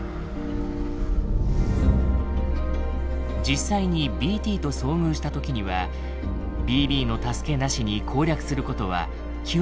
実際にＢＴと遭遇した時にはＢＢの助けなしに攻略することは極めて困難。